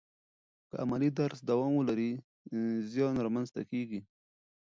که عملي درس دوام ولري، زیان را منځ ته کیږي.